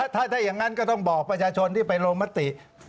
ถ้าอย่างนั้นก็ต้องบอกประชาชนที่ไปโรงพยาบาลนูน